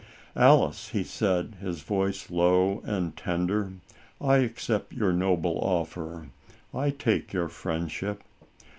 " Alice," he said, his voice low and tender, " I accept your noble offer. I take your friendship.